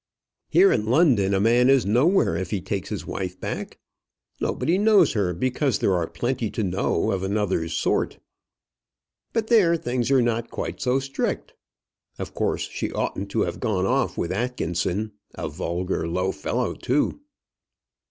Here in London a man is nowhere if he takes his wife back. Nobody knows her, because there are plenty to know of another sort. But there things are not quite so strict. Of course she oughtn't to have gone off with Atkinson; a vulgar low fellow, too."